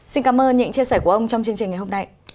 xin cảm ơn những chia sẻ của ông trong chương trình ngày hôm nay